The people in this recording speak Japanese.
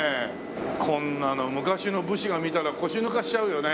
こんなの昔の武士が見たら腰抜かしちゃうよね。